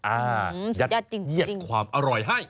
อ่ายัดเย็ดความอร่อยให้